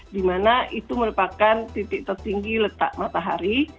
di mana itu merupakan titik tertinggi letak matahari